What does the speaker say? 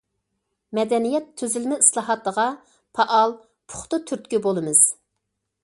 مەدەنىيەت تۈزۈلمە ئىسلاھاتىغا پائال، پۇختا تۈرتكە بولىمىز.